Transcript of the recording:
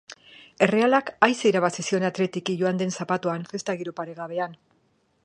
Errealak aise irabazi zion athletic-i Joan zen zapatuan festa giro paregabean.